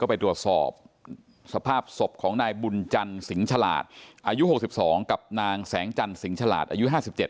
ไปตรวจสอบสภาพศพของนายบุญจันทร์สิงห์ฉลาดอายุ๖๒กับนางแสงจันสิงหลาดอายุ๕๗